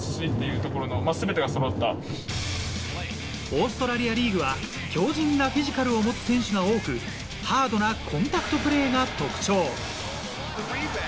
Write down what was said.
オーストラリアリーグは強靭なフィジカルを持つ選手が多く、ハードなコンタクトプレーが特徴。